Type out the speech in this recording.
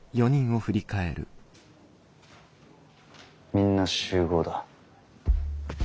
みんな集合だ。